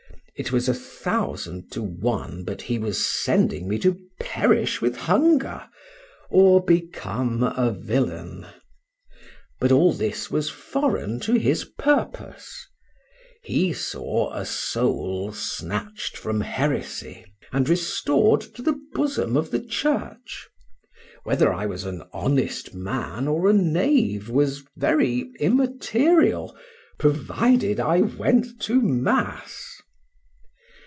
It was a thousand to one but he was sending me to perish with hunger, or become a villain; but all this was foreign to his purpose; he saw a soul snatched from heresy, and restored to the bosom of the church: whether I was an honest man or a knave was very immaterial, provided I went to mass.